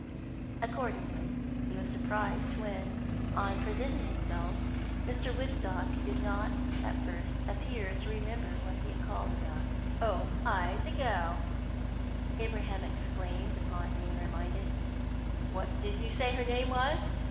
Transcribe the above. Accordingly, he was surprised when, on presenting himself, Mr. Woodstock did not at first appear to remember what he had called about. "Oh, ay, the girl!" Abraham exclaimed, on being reminded. "What did you say her name was?